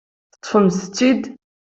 Teṭṭfemt-t-id?